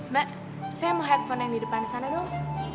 mbak saya mau headphone yang di depan sana dong